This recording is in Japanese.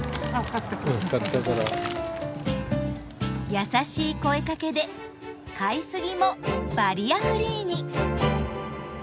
優しい声かけで買いすぎもバリアフリーに。